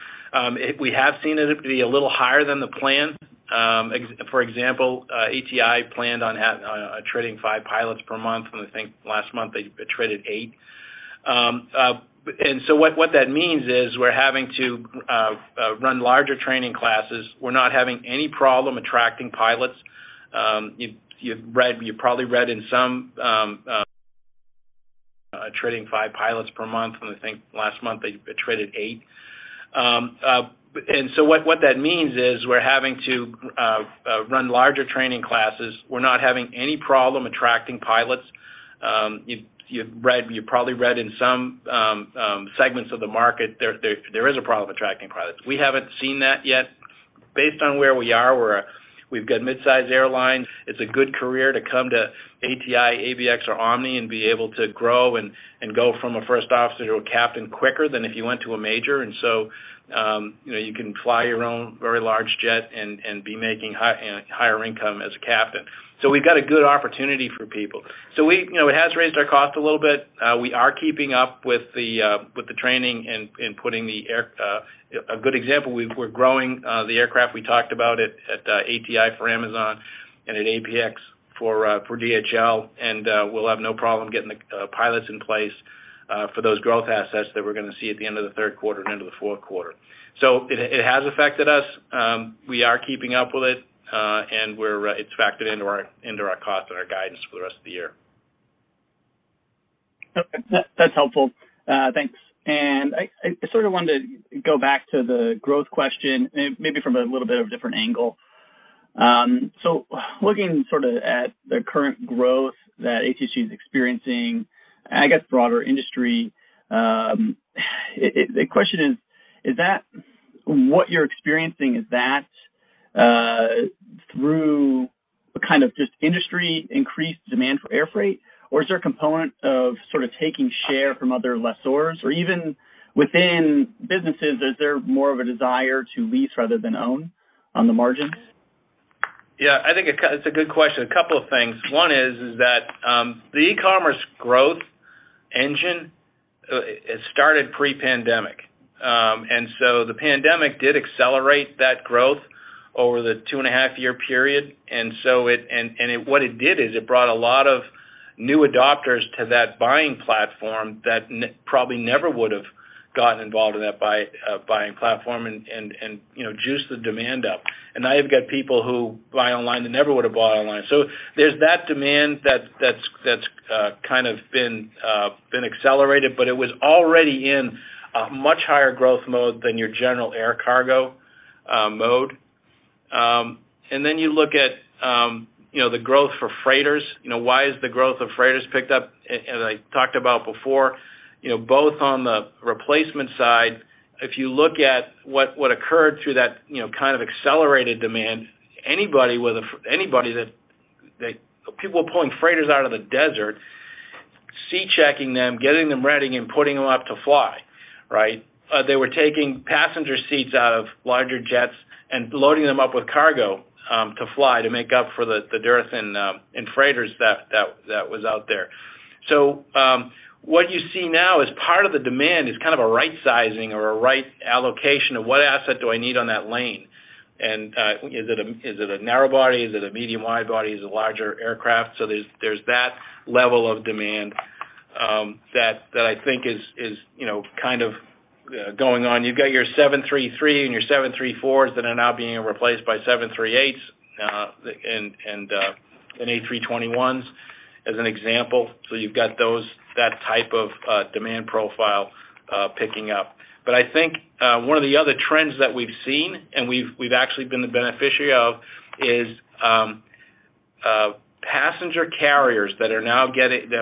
We have seen it to be a little higher than the plan. For example, ATI planned on training five pilots per month, and I think last month they trained eight. What that means is we're having to run larger training classes. We're not having any problem attracting pilots. You've probably read in some attriting five pilots per month, and I think last month they attrited eight. What that means is we're having to run larger training classes. We're not having any problem attracting pilots. You've probably read in some segments of the market there is a problem attracting pilots. We haven't seen that yet. Based on where we are, we've got midsize airlines. It's a good career to come to ATI, ABX, or Omni and be able to grow and go from a first officer to a captain quicker than if you went to a major. You know, you can fly your own very large jet and be making higher income as a captain. We've got a good opportunity for people. You know, it has raised our cost a little bit. We are keeping up with the training. A good example, we're growing the aircraft we talked about at ATI for Amazon and at ABX for DHL, and we'll have no problem getting the pilots in place for those growth assets that we're gonna see at the end of the third quarter and into the fourth quarter. It has affected us. We are keeping up with it. It's factored into our cost and our guidance for the rest of the year. Okay. That's helpful. Thanks. I sort of wanted to go back to the growth question and maybe from a little bit of a different angle. Looking sort of at the current growth that ATSG is experiencing, I guess broader industry, the question is that what you're experiencing, is that through kind of just industry increased demand for air freight? Or is there a component of sort of taking share from other lessors? Or even within businesses, is there more of a desire to lease rather than own on the margins? Yeah, I think it's a good question. A couple of things. One is that the e-commerce growth engine it started pre-pandemic. The pandemic did accelerate that growth over the two and a half year period. It brought a lot of new adopters to that buying platform that probably never would have gotten involved in that buying platform and you know, juiced the demand up. Now you've got people who buy online that never would have bought online. There's that demand that's kind of been accelerated, but it was already in a much higher growth mode than your general air cargo mode. You look at you know, the growth for freighters. You know, why is the growth of freighters picked up? As I talked about before, you know, both on the replacement side, if you look at what occurred through that, you know, kind of accelerated demand, anybody that people were pulling freighters out of the desert, C-checking them, getting them ready and putting them up to fly, right? They were taking passenger seats out of larger jets and loading them up with cargo to fly to make up for the dearth in freighters that was out there. What you see now is part of the demand is kind of a right sizing or a right allocation of what asset do I need on that lane. Is it a narrow body? Is it a medium wide body? Is it a larger aircraft? There's that level of demand that I think is, you know, kind of going on. You've got your 737-300 and your 737-400s that are now being replaced by 737-800s and A321s as an example. You've got those, that type of demand profile picking up. I think one of the other trends that we've seen and we've actually been the beneficiary of is passenger carriers that are now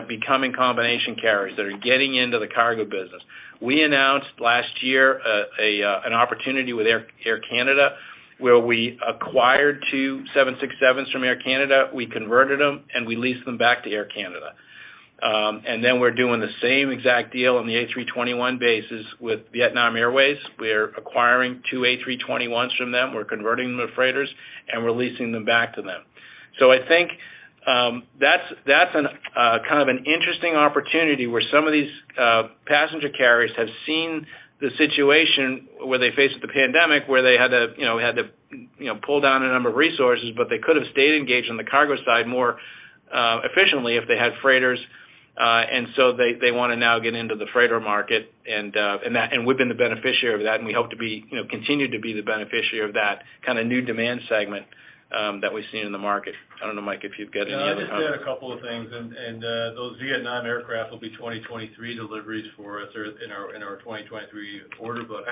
becoming combination carriers that are getting into the cargo business. We announced last year an opportunity with Air Canada, where we acquired two 767s from Air Canada. We converted them, and we leased them back to Air Canada. Then we're doing the same exact deal on the A321 basis with Vietnam Airlines. We're acquiring two A321s from them. We're converting them to freighters, and we're leasing them back to them. I think that's an interesting opportunity where some of these passenger carriers have seen the situation where they faced the pandemic, where they had to, you know, pull down a number of resources, but they could have stayed engaged on the cargo side more efficiently if they had freighters. They wanna now get into the freighter market, and we've been the beneficiary of that, and we hope to be, you know, continue to be the beneficiary of that kind of new demand segment that we've seen in the market. I don't know, Mike, if you've got any other comments. No, I'll just add a couple of things. Those Vietnam aircraft will be 2023 deliveries for us or in our 2023 order book.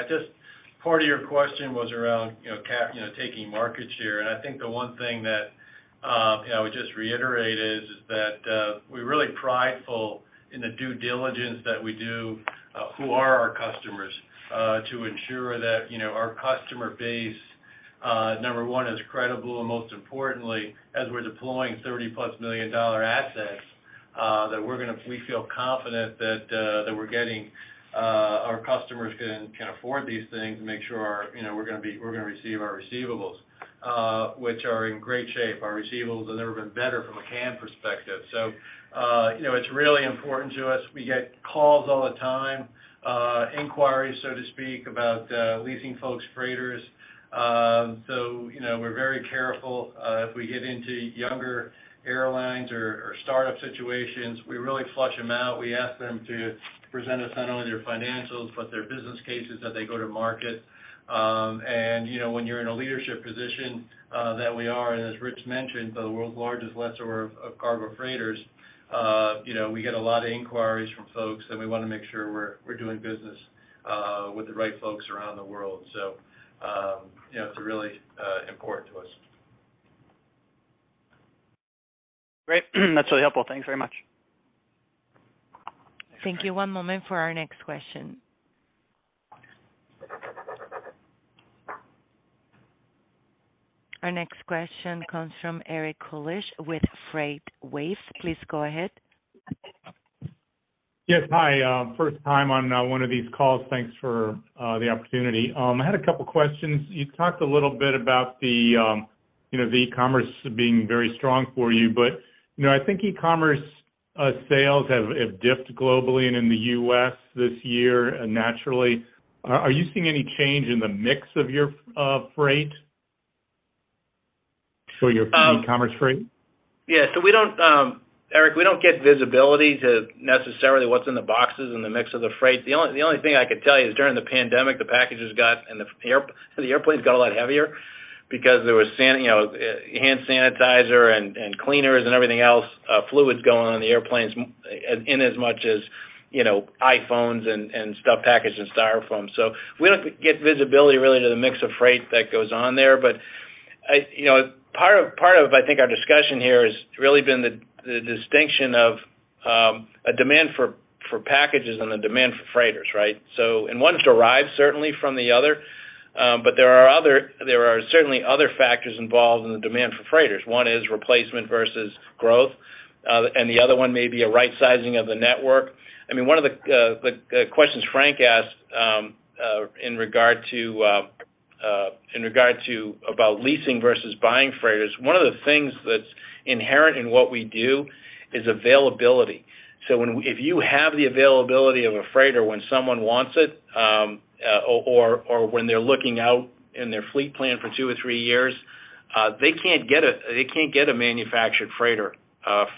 Part of your question was around, you know, taking market share, and I think the one thing that, you know, I would just reiterate is that we're really prideful in the due diligence that we do, who are our customers, to ensure that, you know, our customer base, number one, is credible. Most importantly, as we're deploying +$30million assets, we feel confident that our customers can afford these things and make sure, you know, we're gonna receive our receivables, which are in great shape. Our receivables have never been better from a CAM perspective. You know, it's really important to us. We get calls all the time, inquiries, so to speak, about leasing of freighters. You know, we're very careful. If we get into younger airlines or startup situations, we really flesh them out. We ask them to present us not only their financials, but their business cases that they go to market. You know, when you're in a leadership position that we are, and as Rich mentioned, the world's largest lessor of cargo freighters, you know, we get a lot of inquiries from folks, and we wanna make sure we're doing business with the right folks around the world. You know, it's really important to us. Great. That's really helpful. Thanks very much. Thank you. One moment for our next question. Our next question comes from Eric Kulisch with FreightWaves. Please go ahead. Yes. Hi. First time on one of these calls. Thanks for the opportunity. I had a couple questions. You talked a little bit about the, you know, the e-commerce being very strong for you. You know, I think e-commerce sales have dipped globally and in the U.S this year naturally. Are you seeing any change in the mix of your freight? Your e-commerce freight? Um- Yeah. We don't, Eric, we don't get visibility to necessarily what's in the boxes and the mix of the freight. The only thing I could tell you is during the pandemic, the packages got and the airplanes got a lot heavier because there was you know, hand sanitizer and cleaners and everything else, fluids going on the airplanes in as much as, you know, iPhones and stuff packaged in Styrofoam. We don't get visibility really to the mix of freight that goes on there. I you know, part of I think our discussion here has really been the distinction of a demand for packages and a demand for freighters, right? One derives certainly from the other, but there are certainly other factors involved in the demand for freighters. One is replacement versus growth, and the other one may be a rightsizing of the network. I mean, one of the questions Frank asked in regard to leasing versus buying freighters, one of the things that's inherent in what we do is availability. If you have the availability of a freighter when someone wants it, or when they're looking out in their fleet plan for two or three years, they can't get a manufactured freighter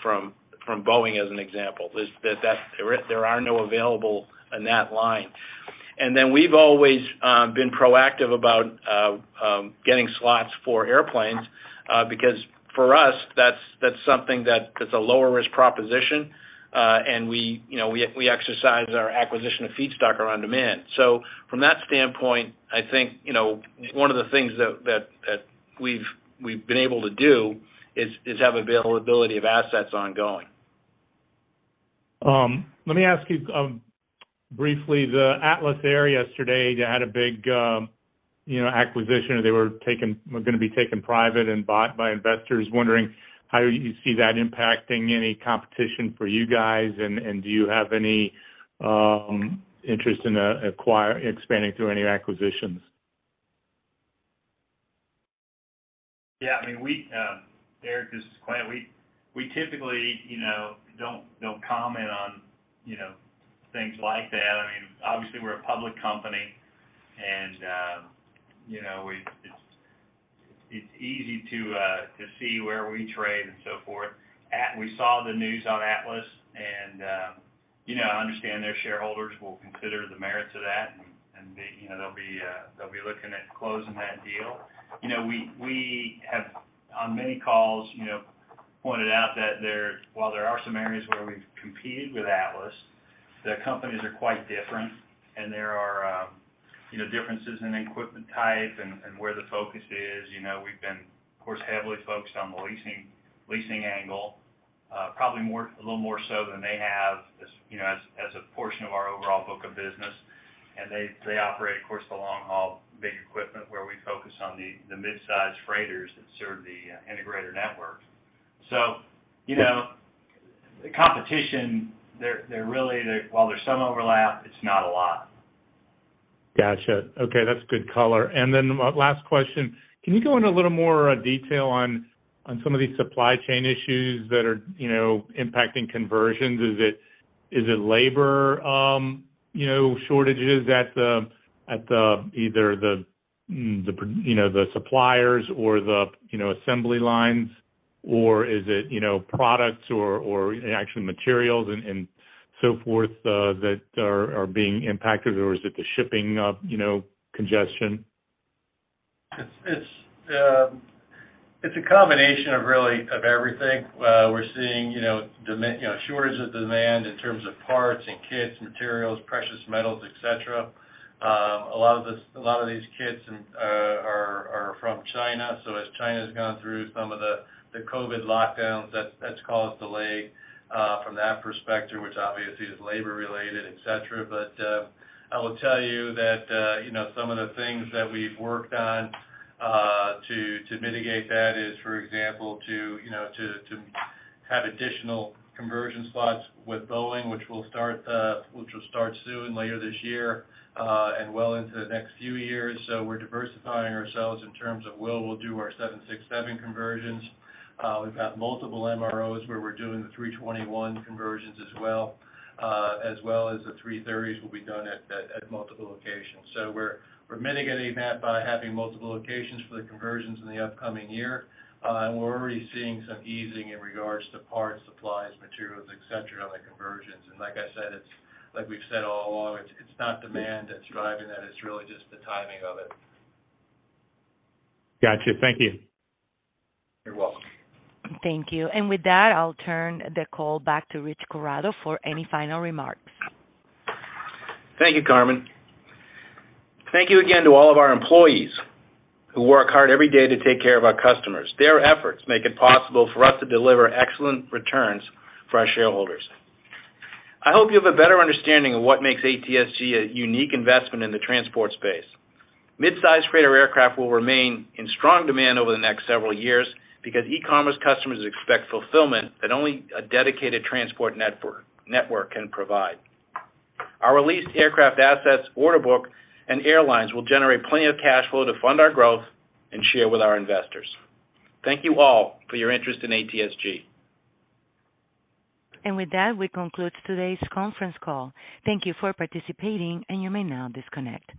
from Boeing, as an example. There are none available in that line. We've always been proactive about getting slots for airplanes because for us, that's something that it's a lower risk proposition. We, you know, exercise our acquisition of feedstock on demand. From that standpoint, I think, you know, one of the things that we've been able to do is have availability of assets ongoing. Let me ask you, briefly, the Atlas Air yesterday, they had a big, you know, acquisition. They were gonna be taken private and bought by investors. Wondering how you see that impacting any competition for you guys, and do you have any interest in expanding through any acquisitions? Yeah. I mean, Eric, this is Quint. We typically, you know, don't comment on, you know, things like that. I mean, obviously we're a public company, and you know, it's easy to see where we trade and so forth. We saw the news on Atlas and you know, understand their shareholders will consider the merits of that. You know, they'll be looking at closing that deal. You know, we have, on many calls, you know, pointed out that while there are some areas where we've competed with Atlas, the companies are quite different and there are, you know, differences in equipment type and where the focus is. You know, we've been, of course, heavily focused on the leasing angle, probably a little more so than they have as, you know, as a portion of our overall book of business. They operate, of course, the long-haul big equipment where we focus on the mid-size freighters that serve the integrator networks. You know, the competition, they're really, while there's some overlap, it's not a lot. Gotcha. Okay, that's good color. Last question. Can you go into a little more detail on some of these supply chain issues that are, you know, impacting conversions? Is it labor, you know, shortages at either the, you know, the suppliers or the, you know, assembly lines? Or is it, you know, products or actually materials and so forth that are being impacted? Or is it the shipping of, you know, congestion? It's a combination of really everything. We're seeing, you know, demand shortage in terms of parts and kits, materials, precious metals, et cetera. A lot of these kits are from China. As China's gone through some of the COVID lockdowns, that's caused delay from that perspective, which obviously is labor related, et cetera. I will tell you that, you know, some of the things that we've worked on to mitigate that is, for example, to have additional Conversion Slots with Boeing, which will start soon, later this year, and well into the next few years. We're diversifying ourselves in terms of will. We'll do our 767 conversions. We've got multiple MROs where we're doing the 321 conversions as well as the 330s will be done at multiple locations. We're mitigating that by having multiple locations for the conversions in the upcoming year. We're already seeing some easing in regards to parts, supplies, materials, et cetera, on the conversions. Like I said, it's like we've said all along, it's not demand that's driving that, it's really just the timing of it. Gotcha. Thank you. You're welcome. Thank you. With that, I'll turn the call back to Rich Corrado for any final remarks. Thank you, Carmen. Thank you again to all of our employees who work hard every day to take care of our customers. Their efforts make it possible for us to deliver excellent returns for our shareholders. I hope you have a better understanding of what makes ATSG a unique investment in the transport space. Mid-size freighter aircraft will remain in strong demand over the next several years because e-commerce customers expect fulfillment that only a dedicated transport network can provide. Our released aircraft assets order book and airlines will generate plenty of cash flow to fund our growth and share with our investors. Thank you all for your interest in ATSG. With that, we conclude today's conference call. Thank you for participating, and you may now disconnect.